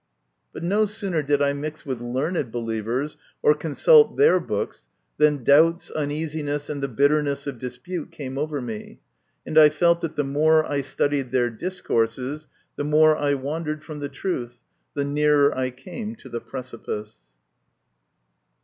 But no sooner did I mix with learned believers, or consult their books, than doubts, uneasiness, and the bitterness of dispute came over me, and I felt that the more I studied their discourses the more I wandered from the truth, the nearer I came to the precipice.